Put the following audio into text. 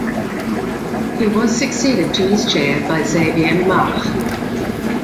He was succeeded to his chair by Xavier Marques.